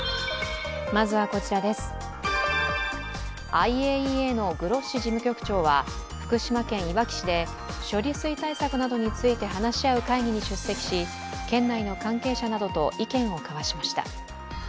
ＩＡＥＡのグロッシ事務局長は福島県いわき市で処理水対策などについて話し合う会議に出席し県内の関係者などと意見を交わしました。